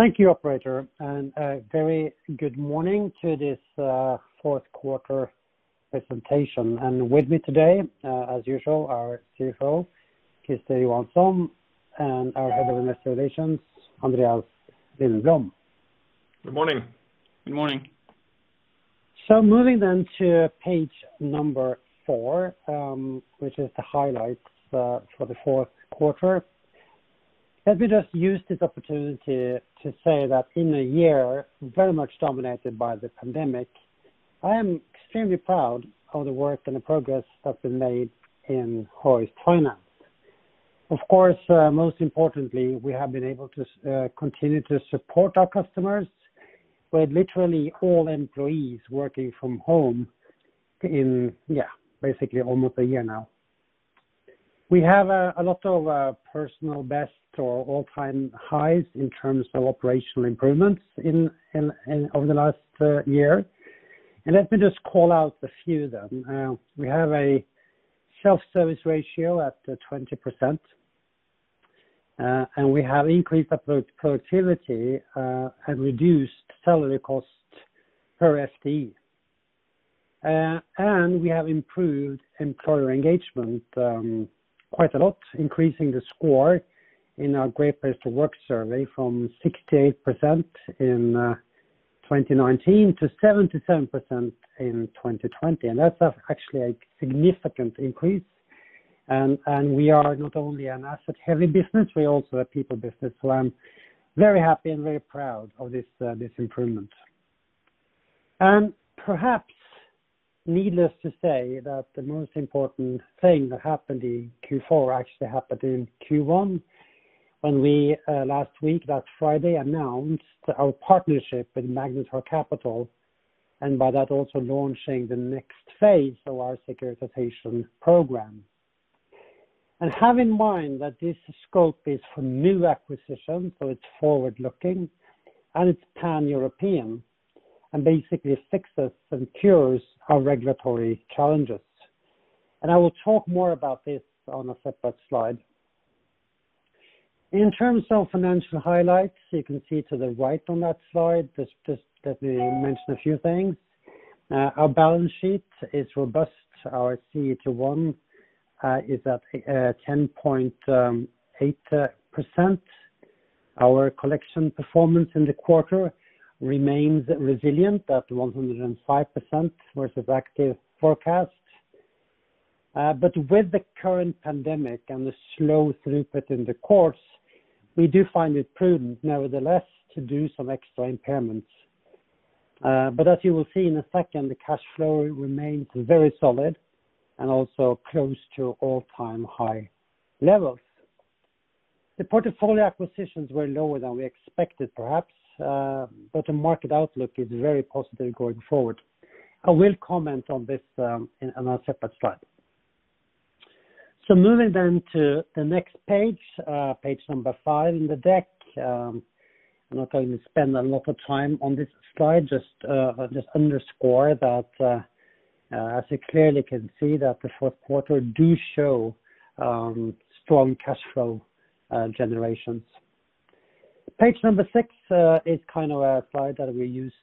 Thank you operator. A very good morning to this fourth quarter presentation. With me today, as usual, our CFO, Christer Johansson, and our Head of Investor Relations, Andreas Lindblom. Good morning. Good morning. Moving to page number four, which is the highlights for the fourth quarter. Let me just use this opportunity to say that in a year very much dominated by the pandemic, I am extremely proud of the work and the progress that's been made in Hoist Finance. Of course, most importantly, we have been able to continue to support our customers with literally all employees working from home in basically almost a year now. We have a lot of personal best or all-time highs in terms of operational improvements over the last year. Let me just call out a few of them. We have a self-service ratio at 20%, and we have increased output productivity, and reduced salary cost per FTE. We have improved employer engagement quite a lot, increasing the score in our Great Place To Work survey from 68% in 2019 to 77% in 2020. That's actually a significant increase. We are not only an asset-heavy business, we are also a people business. I'm very happy and very proud of this improvement. Perhaps needless to say that the most important thing that happened in Q4 actually happened in Q1, when we, last week, last Friday, announced our partnership with Magnetar Capital, and by that also launching the next phase of our securitization program. Have in mind that this scope is for new acquisitions, so it's forward-looking, and it's Pan-European, and basically fixes and cures our regulatory challenges. I will talk more about this on a separate slide. In terms of financial highlights, you can see to the right on that slide, let me mention a few things. Our balance sheet is robust. Our CET1 is at 10.8%. Our collection performance in the quarter remains resilient at 105% versus active forecast. With the current pandemic and the slow throughput in the courts, we do find it prudent nevertheless to do some extra impairments. As you will see in a second, the cash flow remains very solid and also close to all-time high levels. The portfolio acquisitions were lower than we expected, perhaps, but the market outlook is very positive going forward. I will comment on this in a separate slide. Moving to the next page, page number five in the deck. I'm not going to spend a lot of time on this slide, just underscore that, as you clearly can see, that the fourth quarter do show strong cash flow generations. Page number six is kind of a slide that we used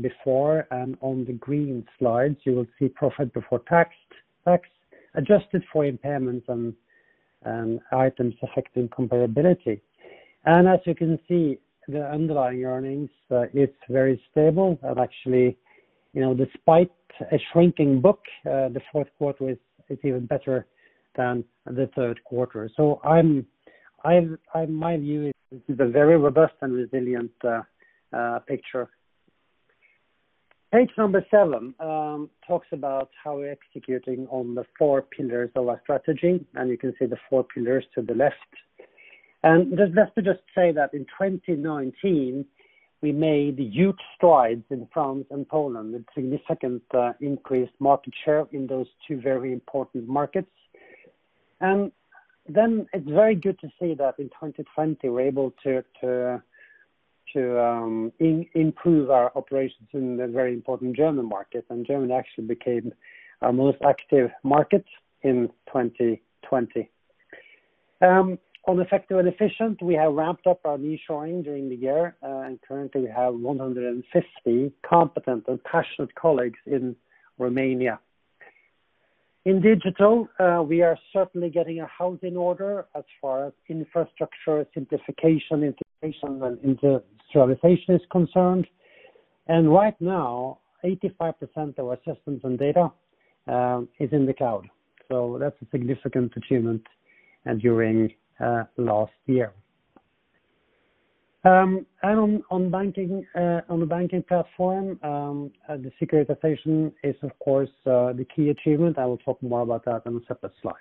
before, and on the green slides, you will see profit before tax, adjusted for impairments and items affecting comparability. As you can see, the underlying earnings is very stable. Actually, despite a shrinking book, the fourth quarter is even better than the third quarter. My view is this is a very robust and resilient picture. Page number seven talks about how we're executing on the four pillars of our strategy, and you can see the four pillars to the left. Let me just say that in 2019, we made huge strides in France and Poland with significant increased market share in those two very important markets. It's very good to see that in 2020, we're able to improve our operations in the very important German market. German actually became our most active market in 2020. On effective and efficient, we have ramped up our nearshoring during the year, and currently we have 150 competent and passionate colleagues in Romania. In digital, we are certainly getting our house in order as far as infrastructure simplification, integration, and industrialization is concerned. Right now, 85% of our systems and data is in the cloud. That's a significant achievement during last year. On the banking platform, the securitization is of course, the key achievement. I will talk more about that on a separate slide.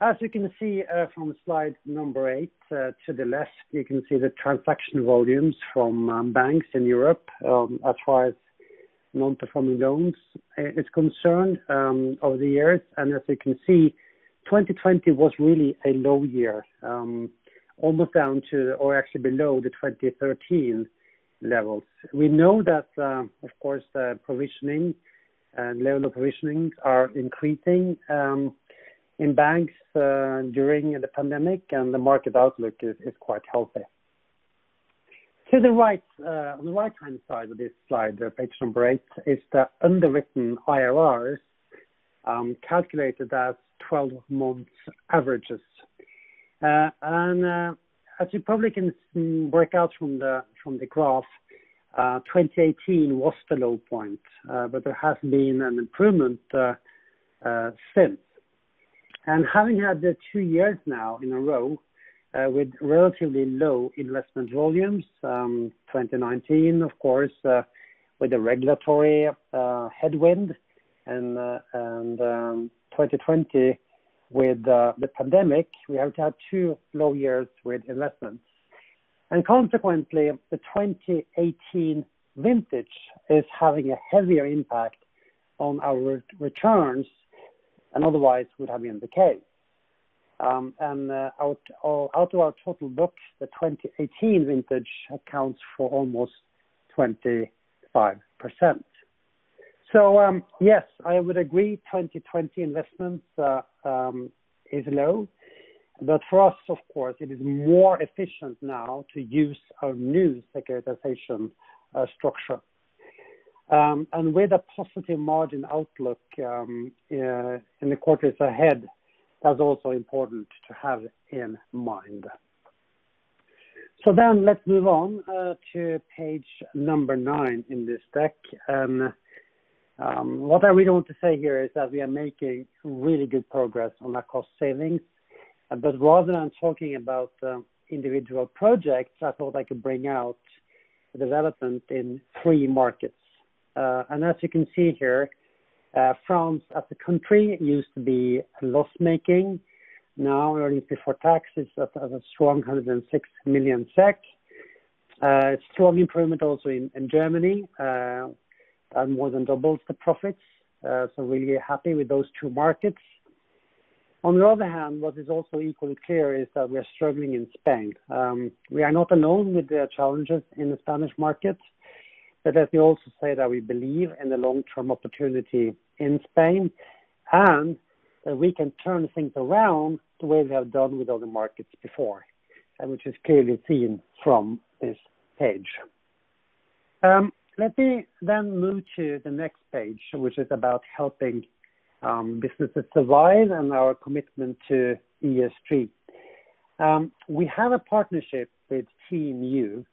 As you can see from slide number eight to the left, you can see the transaction volumes from banks in Europe, as far as non-performing loans is concerned over the years. As you can see, 2020 was really a low year, almost down to or actually below the 2013 levels. We know that, of course, the provisioning and level of provisionings are increasing in banks during the pandemic, and the market outlook is quite healthy. On the right-hand side of this slide, page number eight, is the underwritten IRRs calculated as 12-month averages. As you probably can work out from the graph, 2018 was the low point, but there has been an improvement since. Having had the two years now in a row with relatively low investment volumes, 2019, of course, with the regulatory headwind and 2020 with the pandemic, we have had two low years with investments. Consequently, the 2018 vintage is having a heavier impact on our returns and otherwise would have been the case. Out of our total book, the 2018 vintage accounts for almost 25%. Yes, I would agree 2020 investments is low, but for us, of course, it is more efficient now to use our new securitization structure. With a positive margin outlook in the quarters ahead, that's also important to have in mind. Let's move on to page number nine in this deck. What I really want to say here is that we are making really good progress on our cost savings. Rather than talking about individual projects, I thought I could bring out the development in three markets. As you can see here, France as a country used to be loss-making. Now earnings before tax is at a strong 106 million SEK. Strong improvement also in Germany, and more than doubles the profits. Really happy with those two markets. On the other hand, what is also equally clear is that we are struggling in Spain. We are not alone with the challenges in the Spanish market, but let me also say that we believe in the long-term opportunity in Spain, and that we can turn things around the way we have done with other markets before, and which is clearly seen from this page. Let me move to the next page, which is about helping businesses survive and our commitment to ESG. We have a partnership with TEAM U,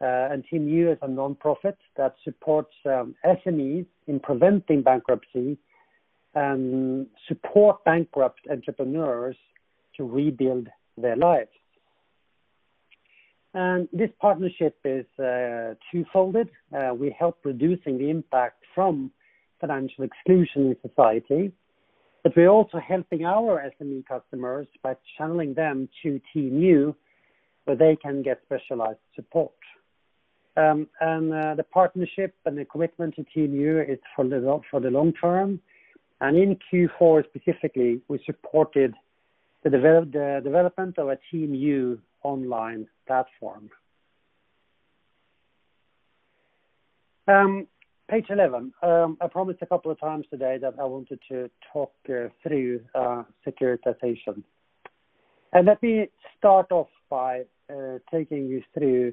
and TEAM U is a nonprofit that supports SMEs in preventing bankruptcy and support bankrupt entrepreneurs to rebuild their lives. This partnership is two-folded. We help reducing the impact from financial exclusion in society, but we're also helping our SME customers by channeling them to TEAM U where they can get specialized support. The partnership and the commitment to TEAM U is for the long-term. In Q4 specifically, we supported the development of a TEAM U online platform. Page 11. I promised a couple of times today that I wanted to talk you through securitization. Let me start off by taking you through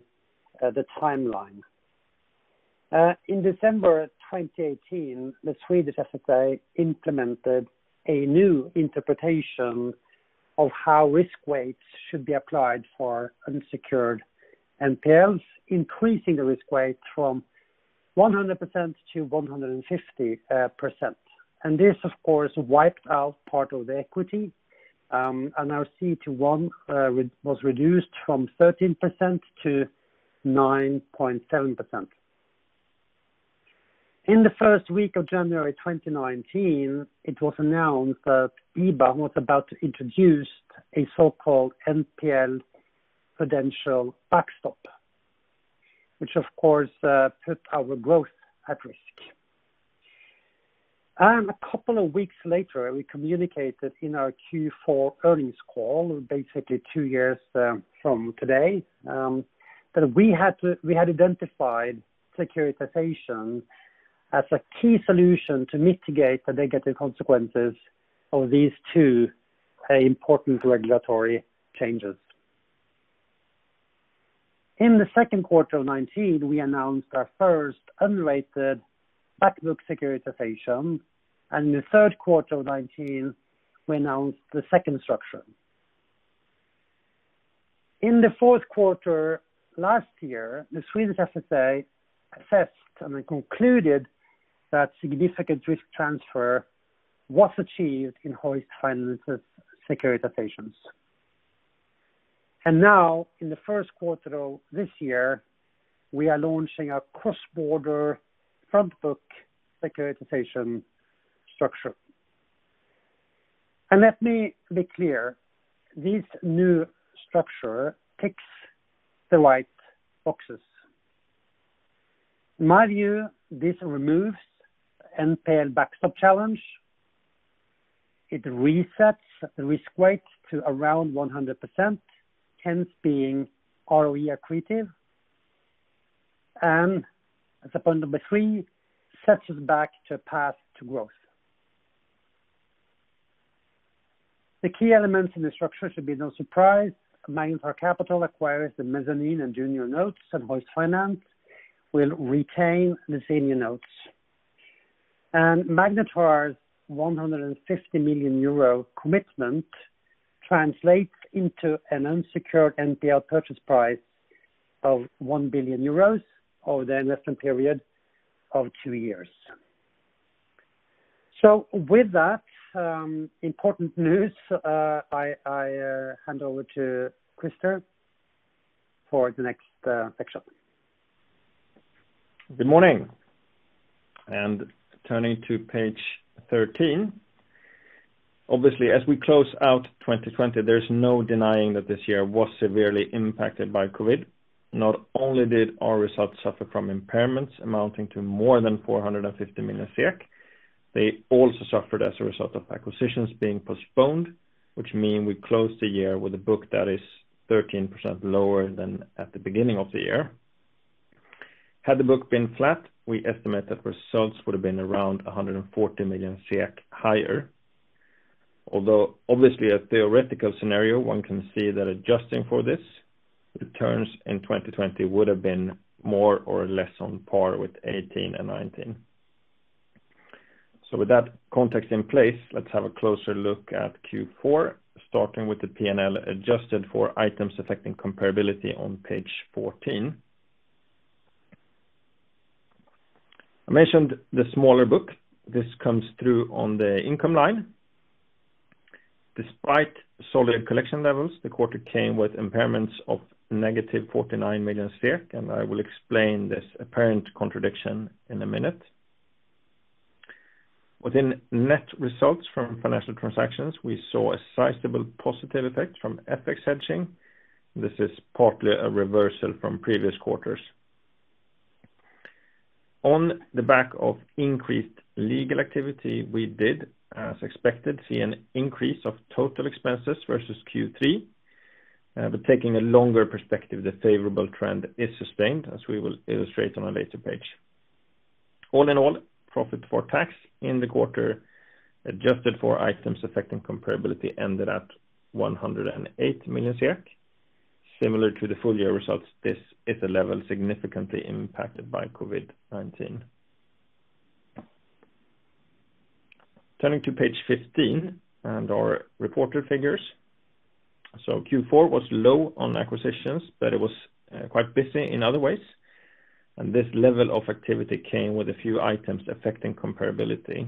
the timeline. In December 2018, the Swedish FSA implemented a new interpretation of how risk weights should be applied for unsecured NPLs, increasing the risk weight from 100% to 150%. This, of course, wiped out part of the equity, and our CET1 was reduced from 13% to 9.7%. In the first week of January 2019, it was announced that EBA was about to introduce a so-called NPL prudential backstop, which of course, put our growth at risk. A couple of weeks later, we communicated in our Q4 earnings call, basically two years from today, that we had identified securitization as a key solution to mitigate the negative consequences of these two important regulatory changes. In the second quarter of 2019, we announced our first unrated back book securitization, and in the third quarter of 2019, we announced the second structure. In the fourth quarter last year, the Swedish FSA assessed and concluded that significant risk transfer was achieved in Hoist Finance's securitizations. Now in the first quarter of this year, we are launching a cross-border front book securitization structure. Let me be clear, this new structure ticks the right boxes. In my view, this removes NPL backstop challenge. It resets risk weight to around 100%, hence being ROE accretive. As a point number three, sets us back to a path to growth. The key elements in the structure should be no surprise. Magnetar Capital acquires the mezzanine and junior notes, and Hoist Finance will retain the senior notes. Magnetar's 150 million euro commitment translates into an unsecured NPL purchase price of 1 billion euros over an investment period of two years. With that important news, I hand over to Christer for the next section. Good morning. Turning to page 13. Obviously, as we close out 2020, there's no denying that this year was severely impacted by COVID. Not only did our results suffer from impairments amounting to more than 450 million, they also suffered as a result of acquisitions being postponed, which mean we closed the year with a book that is 13% lower than at the beginning of the year. Had the book been flat, we estimate that results would have been around 140 million higher. Although obviously a theoretical scenario, one can see that adjusting for this, returns in 2020 would have been more or less on par with 2018 and 2019. With that context in place, let's have a closer look at Q4, starting with the P&L adjusted for items affecting comparability on page 14. I mentioned the smaller book. This comes through on the income line. Despite solid collection levels, the quarter came with impairments of -49 million, and I will explain this apparent contradiction in a minute. Within net results from financial transactions, we saw a sizable positive effect from FX hedging. This is partly a reversal from previous quarters. On the back of increased legal activity, we did, as expected, see an increase of total expenses versus Q3. Taking a longer perspective, the favorable trend is sustained, as we will illustrate on a later page. All in all, profit before tax in the quarter, adjusted for items affecting comparability ended at 108 million. Similar to the full year results, this is a level significantly impacted by COVID-19. Turning to page 15 and our reported figures. Q4 was low on acquisitions, but it was quite busy in other ways, and this level of activity came with a few items affecting comparability.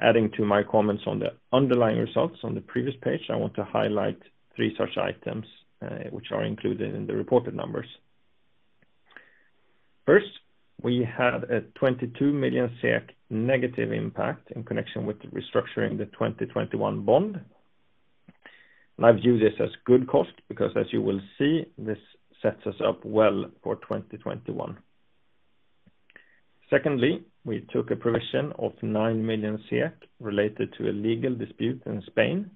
Adding to my comments on the underlying results on the previous page, I want to highlight three such items, which are included in the reported numbers. First, we had a 22 million SEK negative impact in connection with restructuring the 2021 bond. I view this as good cost because as you will see, this sets us up well for 2021. Secondly, we took a provision of 9 million related to a legal dispute in Spain.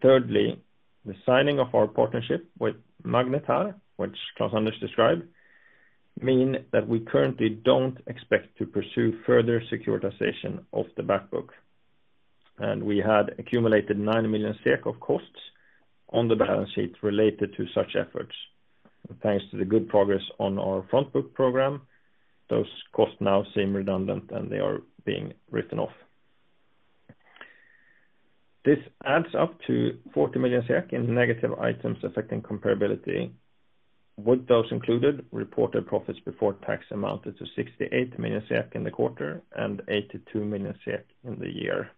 Thirdly, the signing of our partnership with Magnetar, which Klaus-Anders described, mean that we currently don't expect to pursue further securitization of the back book. We had accumulated 9 million SEK of costs on the balance sheet related to such efforts. Thanks to the good progress on our front book program, those costs now seem redundant, and they are being written off. This adds up to 40 million in negative items affecting comparability. With those included, reported profits before tax amounted to 68 million SEK in the quarter and 82 million SEK in the year.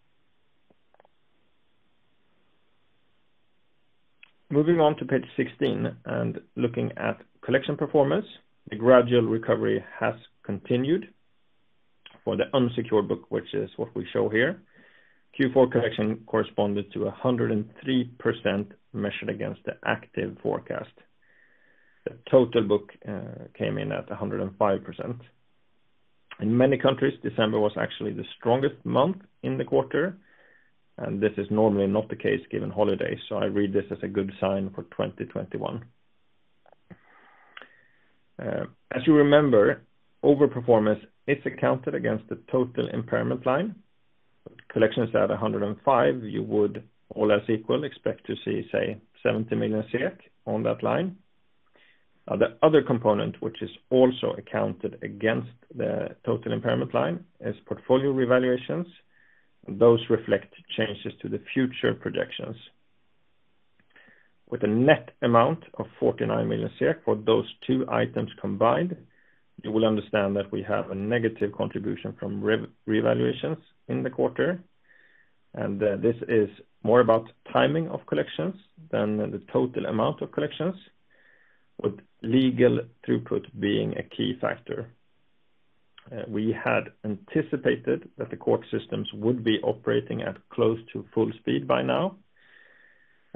Moving on to page 16 and looking at collection performance. The gradual recovery has continued for the unsecured book, which is what we show here. Q4 collection corresponded to 103% measured against the active forecast. The total book came in at 105%. In many countries, December was actually the strongest month in the quarter, and this is normally not the case given holidays, so I read this as a good sign for 2021. As you remember, overperformance is accounted against the total impairment line. Collections at 105%, you would, all else equal, expect to see, say, 70 million SEK on that line. The other component, which is also accounted against the total impairment line, is portfolio revaluations. Those reflect changes to the future projections. With a net amount of 49 million for those two items combined, you will understand that we have a negative contribution from revaluations in the quarter. This is more about timing of collections than the total amount of collections, with legal throughput being a key factor. We had anticipated that the court systems would be operating at close to full speed by now.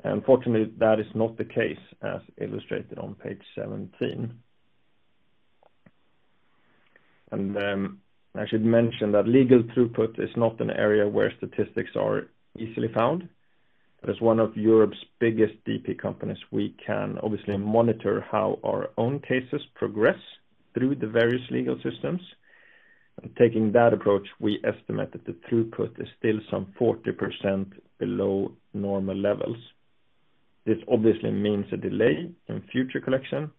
Unfortunately, that is not the case, as illustrated on page 17. I should mention that legal throughput is not an area where statistics are easily found. As one of Europe's biggest DP companies, we can obviously monitor how our own cases progress through the various legal systems. Taking that approach, we estimate that the throughput is still some 40% below normal levels. This obviously means a delay in future collection,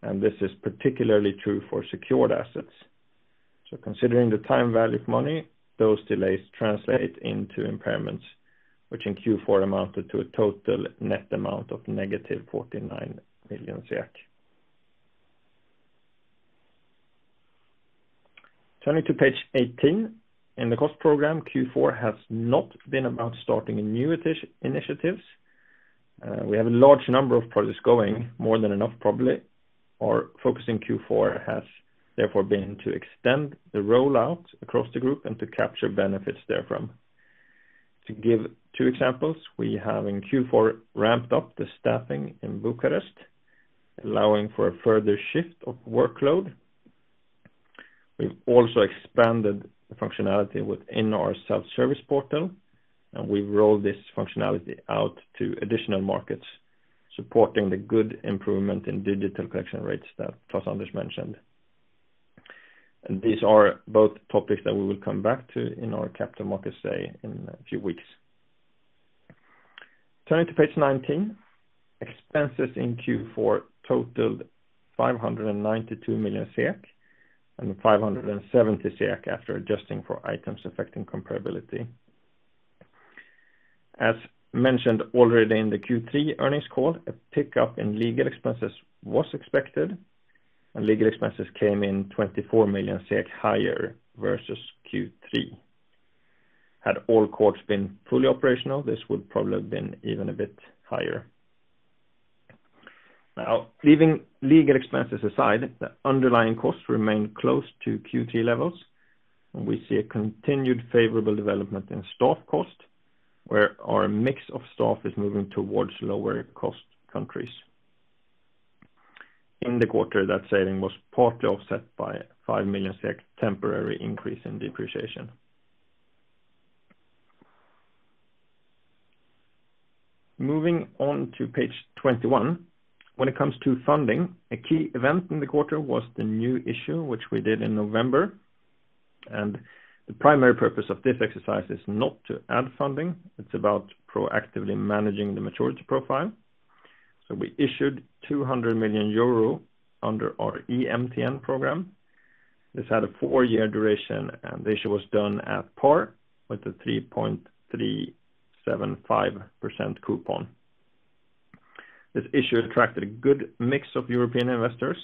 and this is particularly true for secured assets. Considering the time value of money, those delays translate into impairments, which in Q4 amounted to a total net amount of -49 million. Turning to page 18. In the cost program, Q4 has not been about starting new initiatives. We have a large number of projects going, more than enough probably. Our focus in Q4 has therefore been to extend the rollout across the group and to capture benefits therefrom. To give two examples, we have in Q4 ramped up the staffing in Bucharest, allowing for a further shift of workload. We've also expanded the functionality within our self-service portal, and we've rolled this functionality out to additional markets, supporting the good improvement in digital collection rates that Klaus-Anders mentioned. These are both topics that we will come back to in our Capital Markets Day in a few weeks. Turning to page 19. Expenses in Q4 totaled 592 million, and 570 million after adjusting for items affecting comparability. As mentioned already in the Q3 earnings call, a pickup in legal expenses was expected, and legal expenses came in 24 million SEK higher versus Q3. Had all courts been fully operational, this would probably have been even a bit higher. Now, leaving legal expenses aside, the underlying costs remain close to Q3 levels, and we see a continued favorable development in staff cost, where our mix of staff is moving towards lower cost countries. In the quarter, that saving was partly offset by 5 million SEK temporary increase in depreciation. Moving on to page 21. When it comes to funding, a key event in the quarter was the new issue, which we did in November. The primary purpose of this exercise is not to add funding. It's about proactively managing the maturity profile. We issued 200 million euro under our EMTN program. This had a four-year duration. The issue was done at par with the 3.375% coupon. This issue attracted a good mix of European investors.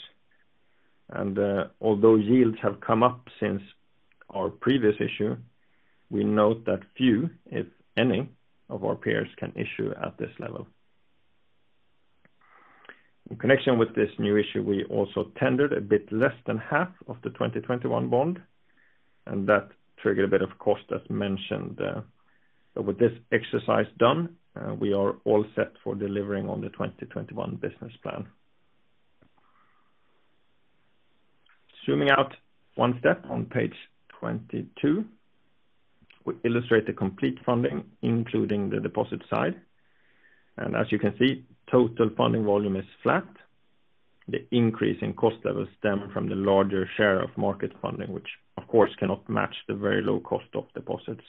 Although yields have come up since our previous issue, we note that few, if any, of our peers can issue at this level. In connection with this new issue, we also tendered a bit less than half of the 2021 bond. That triggered a bit of cost as mentioned. With this exercise done, we are all set for delivering on the 2021 business plan. Zooming out one step on page 22, we illustrate the complete funding, including the deposit side. As you can see, total funding volume is flat. The increase in cost levels stem from the larger share of market funding, which of course cannot match the very low cost of deposits.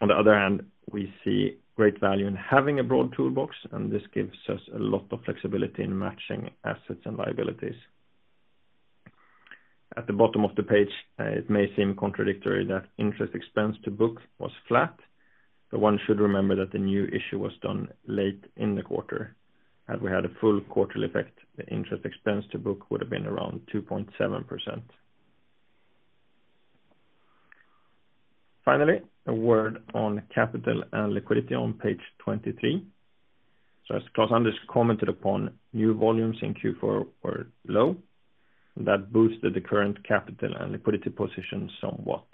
On the other hand, we see great value in having a broad toolbox, and this gives us a lot of flexibility in matching assets and liabilities. At the bottom of the page, it may seem contradictory that interest expense to book was flat, but one should remember that the new issue was done late in the quarter. Had we had a full quarterly effect, the interest expense to book would have been around 2.7%. Finally, a word on capital and liquidity on page 23. As Klaus-Anders commented upon, new volumes in Q4 were low. That boosted the current capital and liquidity position somewhat.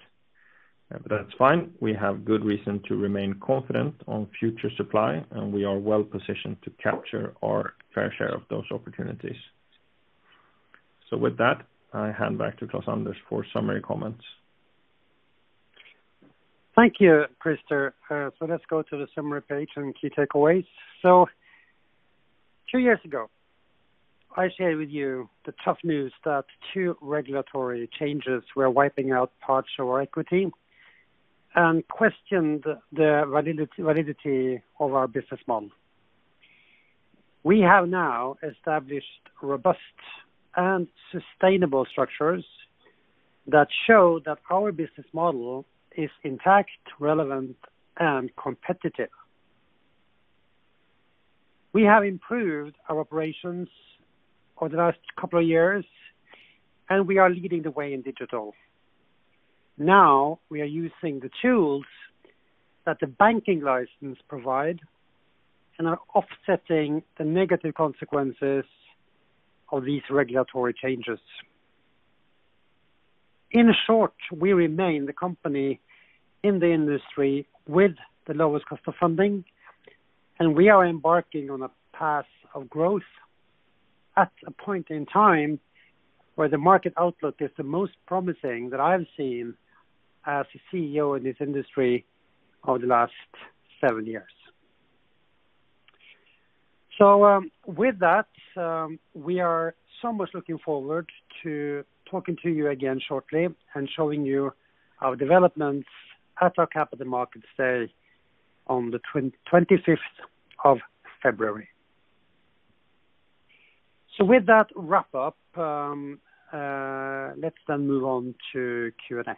That's fine. We have good reason to remain confident on future supply, and we are well-positioned to capture our fair share of those opportunities. With that, I hand back to Klaus-Anders for summary comments. Thank you, Christer. Let's go to the summary page and key takeaways. Two years ago, I shared with you the tough news that two regulatory changes were wiping out parts of our equity and questioned the validity of our business model. We have now established robust and sustainable structures that show that our business model is intact, relevant, and competitive. We have improved our operations over the last couple of years, and we are leading the way in digital. Now we are using the tools that the banking license provide and are offsetting the negative consequences of these regulatory changes. In short, we remain the company in the industry with the lowest cost of funding, and we are embarking on a path of growth at a point in time where the market outlook is the most promising that I've seen as a CEO in this industry over the last seven years. With that, we are so much looking forward to talking to you again shortly and showing you our developments at our Capital Markets Day on the 25th of February. With that wrap up, let's then move on to Q&A. Over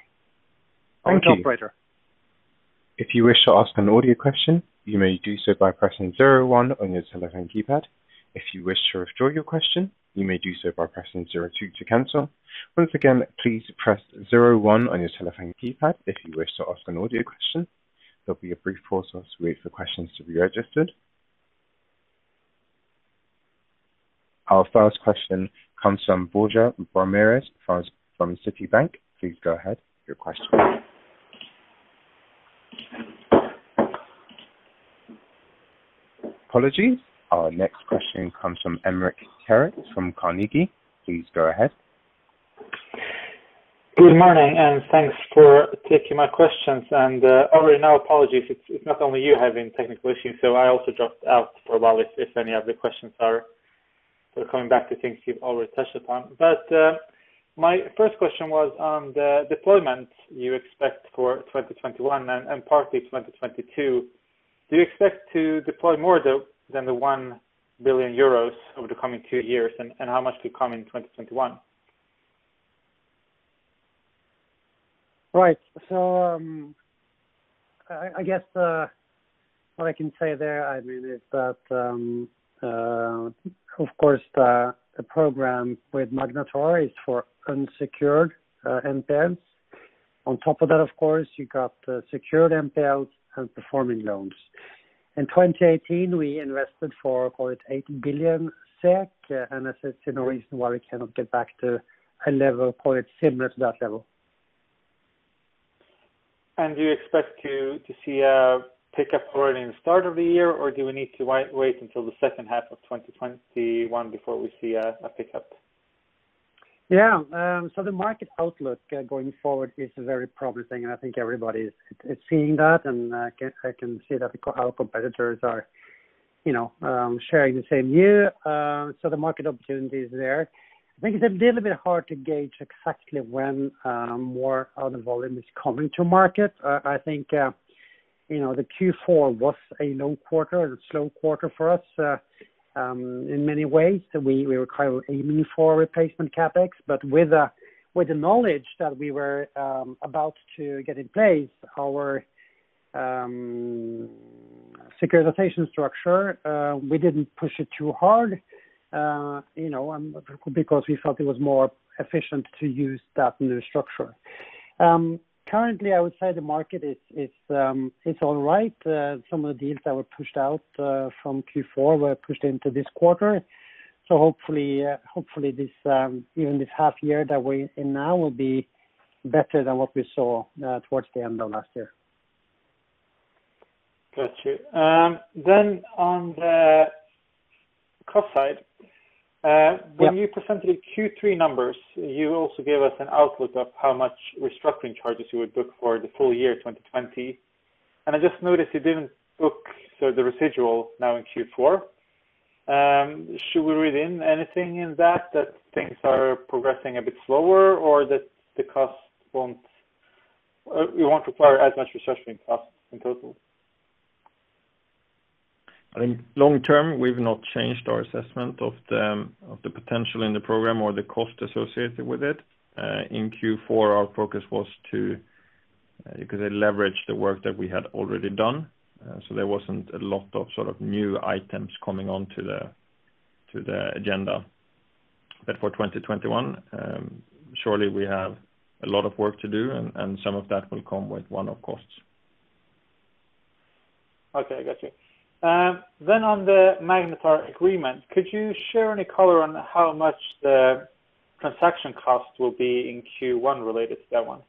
to you, operator. Thank you. If you wish to ask an audio question, you may do so by pressing zero one on your telephone keypad. If you wish to withdraw your question, you may do so by pressing zero two to cancel. Once again, please press zero one on your telephone keypad if you wish to ask an audio question. There will be a brief pause as we wait for your questions to be registered. Our first question comes from Borja Ramirez from Citibank. Please go ahead with your question. Apologies. Our next question comes from Ermin Keric from Carnegie. Please go ahead. Good morning, and thanks for taking my questions. Already now apologies, it's not only you having technical issues, so I also dropped out for a while if any of the questions are sort of coming back to things you've already touched upon. My first question was on the deployment you expect for 2021 and partly 2022. Do you expect to deploy more of the, than the 1 billion euros over the coming two years? How much could come in 2021? Right. I guess what I can say there is that, of course, the program with Magnetar is for unsecured NPLs. On top of that, of course, you got secured NPLs and performing loans. In 2018, we invested for 8 billion SEK, and I see no reason why we cannot get back to a level, call it similar to that level. Do you expect to see a pickup already in the start of the year, or do we need to wait until the second half of 2021 before we see a pickup? Yeah. The market outlook going forward is very promising, and I think everybody is seeing that, and I can see that our competitors are sharing the same view. The market opportunity is there. I think it's a little bit hard to gauge exactly when more of the volume is coming to market. I think the Q4 was a low quarter and a slow quarter for us, in many ways. We were kind of aiming for replacement CapEx, but with the knowledge that we were about to get in place our securitization structure, we didn't push it too hard because we felt it was more efficient to use that new structure. Currently, I would say the market is all right. Some of the deals that were pushed out from Q4 were pushed into this quarter, so hopefully even this half year that we're in now will be better than what we saw towards the end of last year. Got you. On the cost side. When you presented Q3 numbers, you also gave us an outlook of how much restructuring charges you would book for the full year 2020. I just noticed you didn't book the residual now in Q4. Should we read in anything in that things are progressing a bit slower or that you won't require as much restructuring costs in total? In long-term, we've not changed our assessment of the potential in the program or the cost associated with it. In Q4, our focus was to leverage the work that we had already done. There wasn't a lot of new items coming onto the agenda. For 2021, surely we have a lot of work to do, and some of that will come with one-off costs. Okay. I got you. On the Magnetar agreement, could you share any color on how much the transaction cost will be in Q1 related to that one?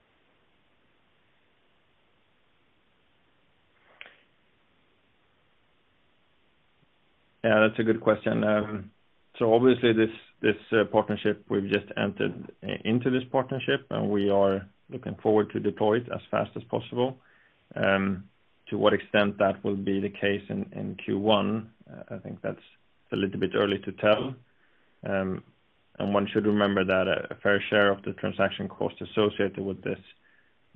Yeah, that's a good question. Obviously, we've just entered into this partnership, and we are looking forward to deploy it as fast as possible. To what extent that will be the case in Q1, I think that's a little bit early to tell. One should remember that a fair share of the transaction cost associated with this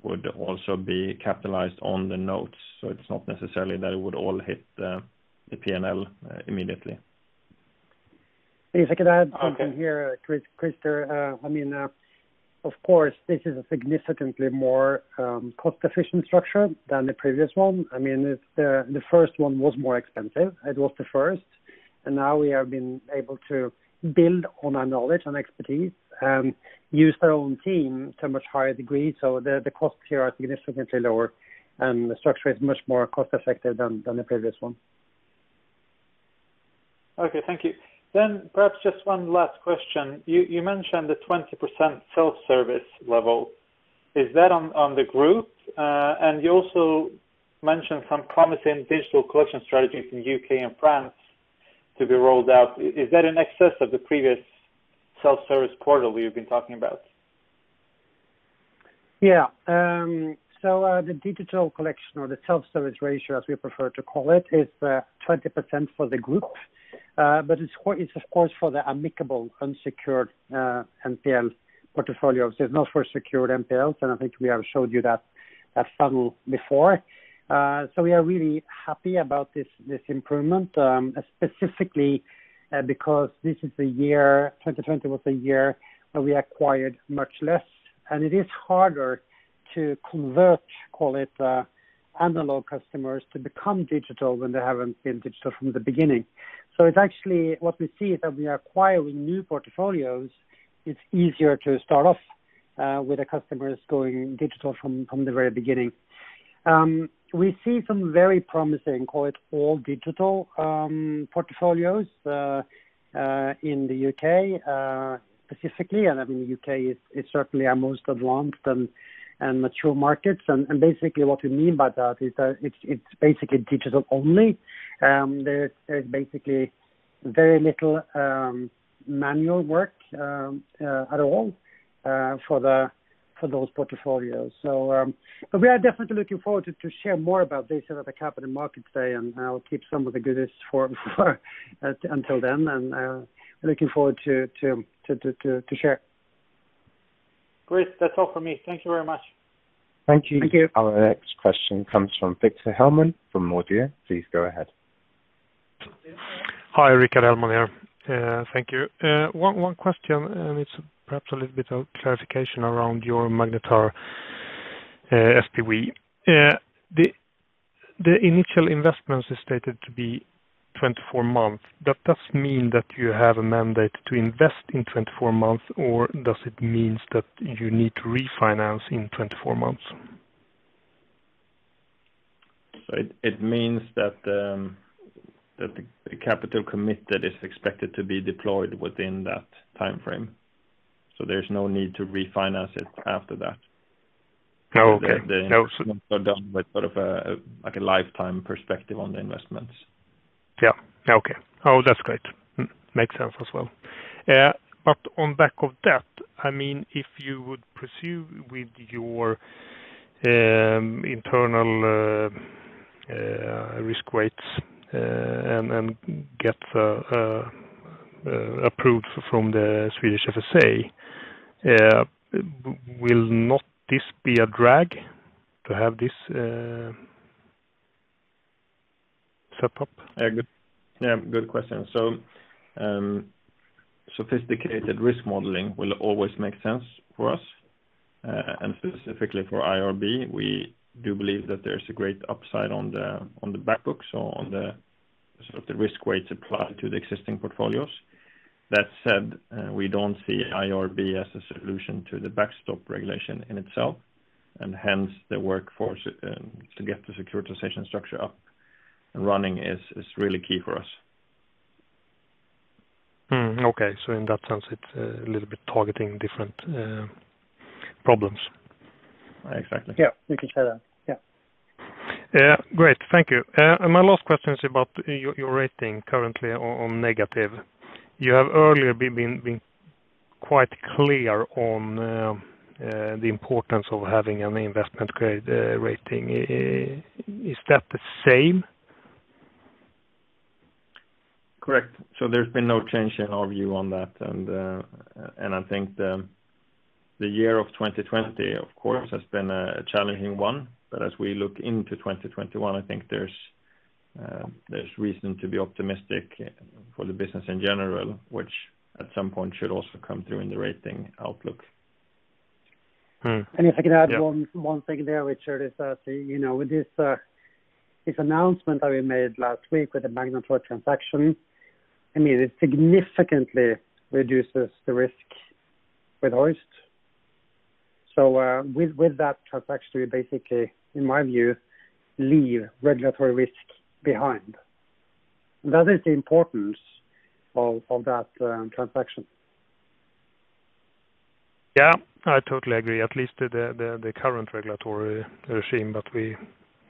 would also be capitalized on the notes. It's not necessarily that it would all hit the P&L immediately. If I could add something here, Christer. Of course, this is a significantly more cost-efficient structure than the previous one. The first one was more expensive. It was the first, and now we have been able to build on our knowledge and expertise and use our own team to a much higher degree. The costs here are significantly lower, and the structure is much more cost-effective than the previous one. Okay. Thank you. Perhaps just one last question. You mentioned the 20% self-service level. Is that on the group? And you also mentioned some promising digital collection strategies in U.K. and France to be rolled out. Is that in excess of the previous self-service portal you've been talking about? Yeah. The digital collection or the self-service ratio, as we prefer to call it, is 20% for the group. It's, of course, for the amicable unsecured NPL portfolios. It's not for secured NPLs, and I think we have showed you that funnel before. We are really happy about this improvement, specifically because 2020 was a year where we acquired much less, and it is harder to convert, call it, analog customers to become digital when they haven't been digital from the beginning. It's actually what we see is that we are acquiring new portfolios. It's easier to start off with the customers going digital from the very beginning. We see some very promising, call it, all-digital portfolios, in the U.K. specifically. The U.K. is certainly our most advanced and mature market. Basically what we mean by that is that it's basically digital only. There is basically very little manual work at all for those portfolios. We are definitely looking forward to share more about this at the Capital Markets Day, and I'll keep some of the goodies until then and looking forward to share. Great. That's all from me. Thank you very much. Thank you. Our next question comes from Rickard Hellman from Nordea. Please go ahead. Hi. Rickard Hellman here. Thank you. One question. It's perhaps a little bit of clarification around your Magnetar SPV. The initial investment is stated to be 24 months. That does mean that you have a mandate to invest in 24 months, or does it means that you need to refinance in 24 months? It means that the capital committed is expected to be deployed within that timeframe. There's no need to refinance it after that. Oh, okay. The investments are done with sort of a lifetime perspective on the investments. Yeah. Okay. Oh, that's great. Makes sense as well. On back of that, if you would pursue with your internal risk weights and get approved from the Swedish FSA, will not this be a drag to have this set up? Yeah, good question. Sophisticated risk modeling will always make sense for us. Specifically for IRB, we do believe that there's a great upside on the back books or on the sort of the risk weights applied to the existing portfolios. That said, we don't see IRB as a solution to the backstop regulation in itself, and hence the workforce to get the securitization structure up and running is really key for us. Okay. In that sense, it's a little bit targeting different problems. Exactly. Yeah, you could say that. Yeah. Yeah. Great. Thank you. My last question is about your rating currently on negative. You have earlier been quite clear on the importance of having an investment grade rating. Is that the same? Correct. There's been no change in our view on that, and I think the year of 2020, of course, has been a challenging one. As we look into 2021, I think there's reason to be optimistic for the business in general, which at some point should also come through in the rating outlook. If I can add one thing there, which is that, with this announcement that we made last week with the Magnetar transaction, it significantly reduces the risk with Hoist. With that transaction, we basically, in my view, leave regulatory risk behind. That is the importance of that transaction. Yeah, I totally agree, at least the current regulatory regime.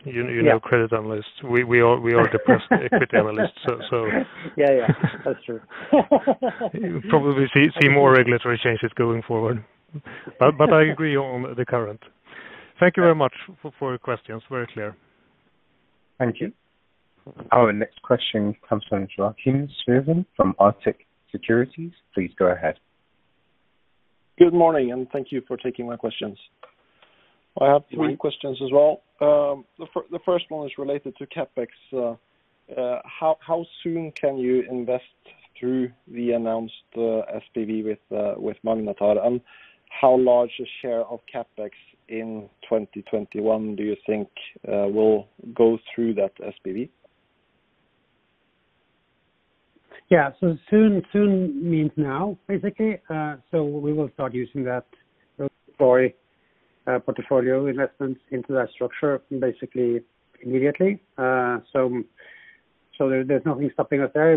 You know credit analysts. We are analysts. Yeah. That's true. Probably see more regulatory changes going forward. I agree on the current. Thank you very much for your questions. Very clear. Thank you. Our next question comes from Joakim Svingen from Arctic Securities. Please go ahead. Good morning, and thank you for taking my questions. I have three questions as well. The first one is related to CapEx. How soon can you invest through the announced SPV with Magnetar, and how large a share of CapEx in 2021 do you think will go through that SPV? Soon means now, basically. We will start using that portfolio of investments into that structure basically immediately. There's nothing stopping us there,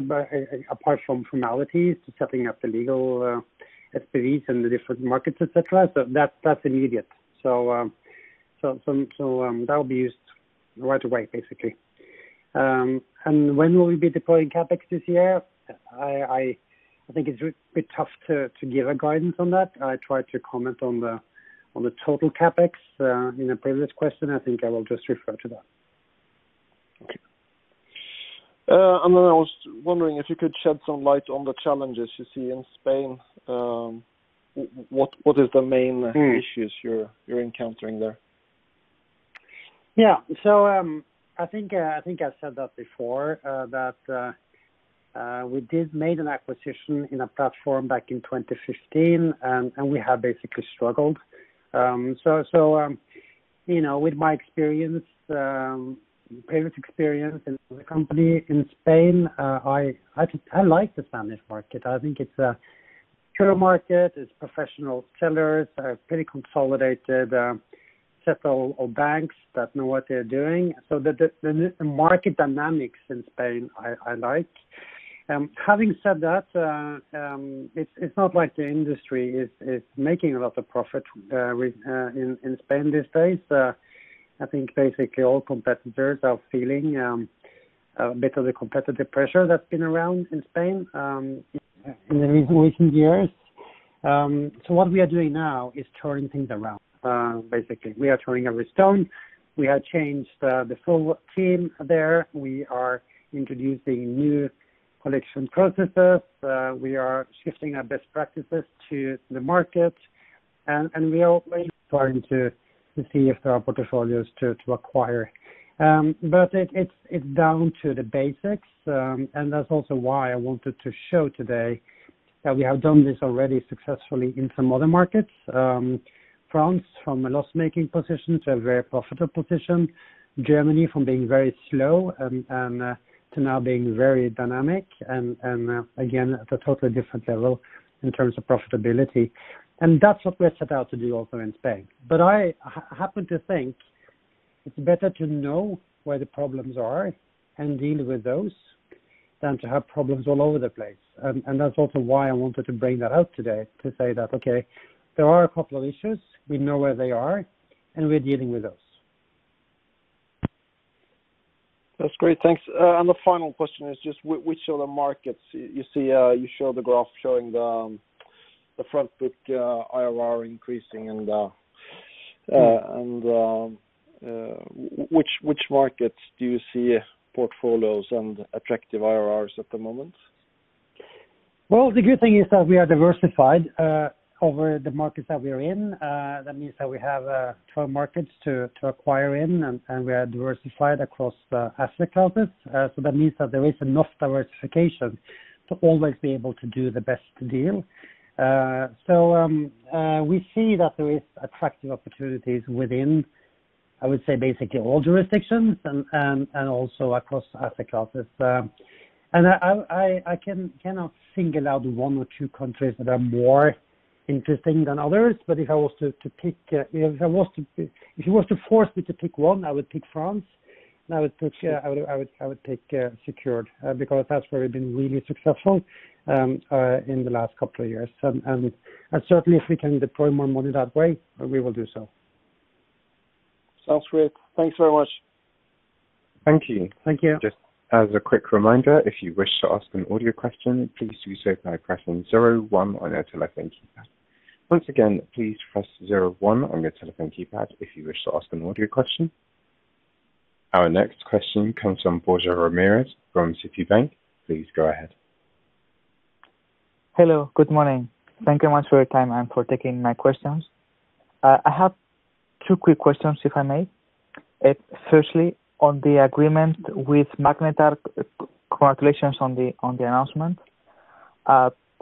apart from formalities, setting up the legal SPVs in the different markets, et cetera. That's immediate. That will be used right away, basically. When will we be deploying CapEx this year? I think it's a bit tough to give a guidance on that. I tried to comment on the total CapEx in a previous question. I think I will just refer to that. Okay. I was wondering if you could shed some light on the challenges you see in Spain. What are the main issues you're encountering there? Yeah. I think I said that before, that we did made an acquisition in a platform back in 2015, and we have basically struggled. With my previous experience in the company in Spain, I like the Spanish market. I think it's a pure market. It's professional sellers, pretty consolidated, several banks that know what they're doing. The market dynamics in Spain, I like. Having said that, it's not like the industry is making a lot of profit in Spain these days. I think basically all competitors are feeling a bit of the competitive pressure that's been around in Spain in the recent years. What we are doing now is turning things around. Basically, we are turning every stone. We have changed the full team there. We are introducing new collection processes. We are shifting our best practices to the market, and we are starting to see if there are portfolios to acquire. It's down to the basics, and that's also why I wanted to show today that we have done this already successfully in some other markets. France, from a loss-making position to a very profitable position, Germany from being very slow and to now being very dynamic and, again, at a totally different level in terms of profitability. That's what we're set out to do also in Spain. I happen to think it's better to know where the problems are and deal with those than to have problems all over the place. That's also why I wanted to bring that out today to say that, okay, there are a couple of issues. We know where they are, and we're dealing with those. That's great. Thanks. The final question is just which are the markets you see. You showed the graph showing the front book IRR increasing. Which markets do you see portfolios and attractive IRRs at the moment? Well, the good thing is that we are diversified over the markets that we are in. That means that we have 12 markets to acquire in, and we are diversified across asset classes. That means that there is enough diversification to always be able to do the best deal. We see that there is attractive opportunities within, I would say, basically all jurisdictions and also across asset classes. I cannot single out one or two countries that are more interesting than others, but if you was to force me to pick one, I would pick France, and I would pick secured, because that's where we've been really successful in the last couple of years. Certainly if we can deploy more money that way, we will do so. Sounds great. Thanks very much. Thank you. Just as a quick reminder, if you wish to ask an audio question, please do so by pressing zero one on your telephone keypad. Once again, please press zero one on your telephone keypad if you wish to ask an audio question. Our next question comes from Borja Ramirez from Citibank. Please go ahead. Hello. Good morning. Thank you much for your time and for taking my questions. I have two quick questions, if I may. Firstly, on the agreement with Magnetar, congratulations on the announcement.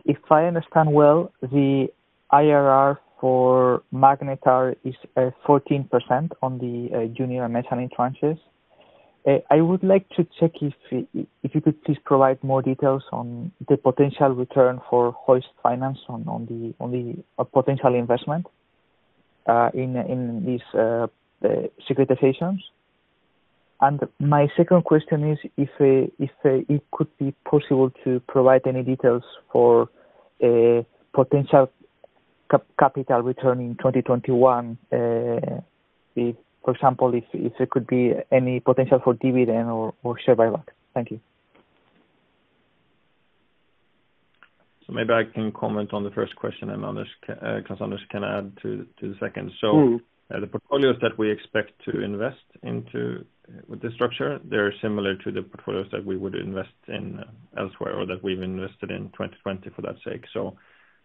If I understand well, the IRR for Magnetar is 14% on the junior and mezzanine tranches. I would like to check if you could please provide more details on the potential return for Hoist Finance on the potential investment in these securitizations. My second question is if it could be possible to provide any details for potential capital return in 2021. For example, if there could be any potential for dividend or share buyback. Thank you. Maybe I can comment on the first question, and Klaus-Anders can add to the second. The portfolios that we expect to invest into with the structure, they're similar to the portfolios that we would invest in elsewhere or that we've invested in 2020, for that sake.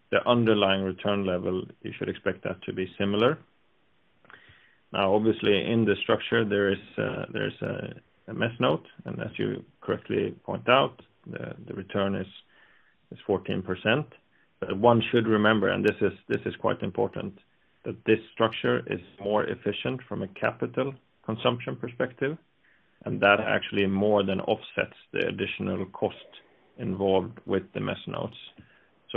The underlying return level, you should expect that to be similar. Now, obviously, in the structure, there is a mezz note, and as you correctly point out, the return is 14%. One should remember, and this is quite important, that this structure is more efficient from a capital consumption perspective, and that actually more than offsets the additional cost involved with the mezz notes.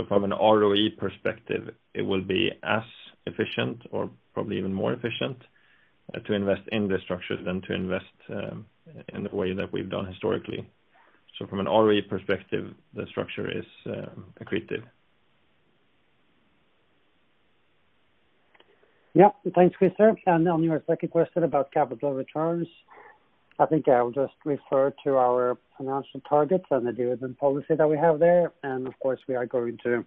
From an ROE perspective, it will be as efficient or probably even more efficient to invest in this structure than to invest in the way that we've done historically. From an ROE perspective, the structure is accretive. Yeah. Thanks, Christer. On your second question about capital returns, I think I will just refer to our financial targets and the dividend policy that we have there. Of course, we are going to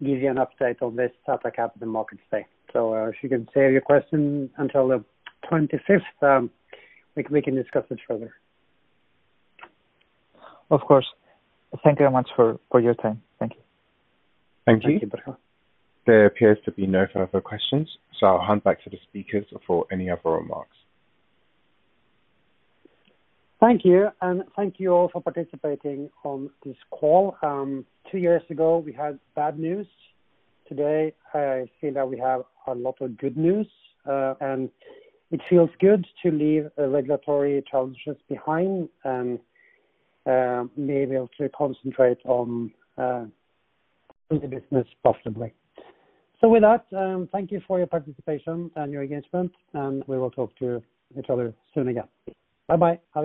give you an update on this at the Capital Markets Day. If you can save your question until the 25th, we can discuss it further. Of course. Thank you very much for your time. Thank you. Thank you. There appears to be no further questions, so I'll hand back to the speakers for any other remarks. Thank you. Thank you all for participating on this call. Two years ago, we had bad news. Today, I feel that we have a lot of good news. It feels good to leave regulatory challenges behind and be able to concentrate on the business profitably. With that, thank you for your participation and your engagement. We will talk to each other soon again. Bye-bye. Have a great day.